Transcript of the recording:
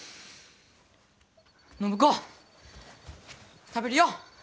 暢子食べるよ！